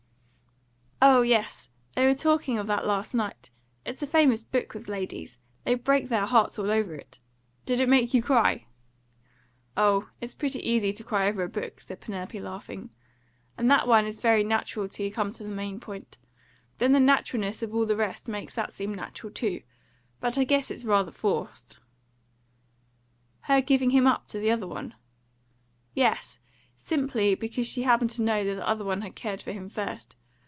"Oh yes; they were talking of that last night; it's a famous book with ladies. They break their hearts over it. Did it make you cry?" "Oh, it's pretty easy to cry over a book," said Penelope, laughing; "and that one is very natural till you come to the main point. Then the naturalness of all the rest makes that seem natural too; but I guess it's rather forced." "Her giving him up to the other one?" "Yes; simply because she happened to know that the other one had cared for him first.